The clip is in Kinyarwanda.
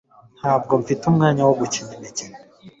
Ntabwo mfite umwanya wo gukina imikino